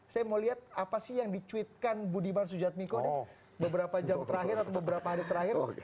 saya mau lihat apa sih yang dicuitkan budiman sujatmiko nih beberapa jam terakhir atau beberapa hari terakhir